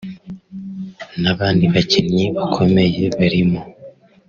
n’abandi bakinnyi bakomeye barimo